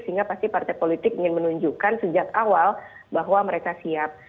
sehingga pasti partai politik ingin menunjukkan sejak awal bahwa mereka siap